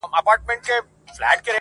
د غزل د صنف ستاینه کوي